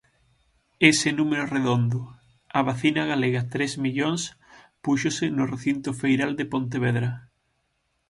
Ese número redondo, a vacina galega tres millóns púxose no recinto feiral de Pontevedra.